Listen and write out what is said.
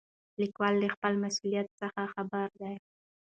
لیکوال له خپل مسؤلیت څخه خبر دی.